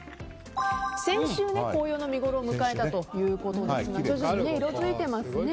先週、紅葉の見ごろを迎えたということですが徐々に色づいていますね。